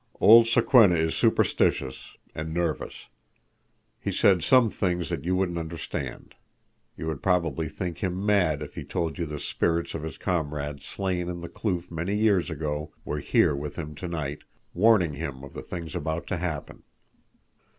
"Old Sokwenna is superstitious—and nervous. He said some things that you wouldn't understand. You would probably think him mad if he told you the spirits of his comrades slain in the kloof many years ago were here with him tonight, warning him of things about to happen.